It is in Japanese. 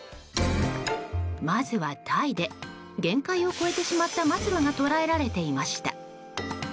まずはタイで限界を超えてしまった末路が捉えられていました。